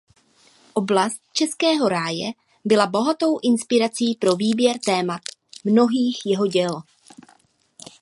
Oblast Českého ráje byla bohatou inspirací pro výběr témat mnohých jeho děl.